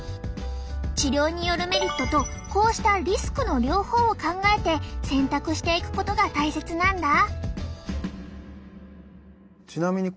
治療によるメリットとこうしたリスクの両方を考えて選択していくことが大切なんだ。